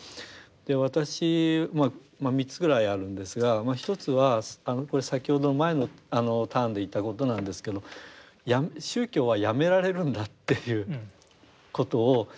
私はまあ３つぐらいあるんですが１つはこれ先ほど前のターンで言ったことなんですけど宗教はやめられるんだっていうことを。